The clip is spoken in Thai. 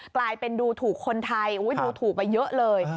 กลายเป็นดูถูกคนไทยดูถูกมาเยอะเลย